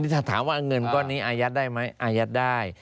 ถ้าถามว่าเงินก้อนนี้อายัดได้ไหมอายัดได้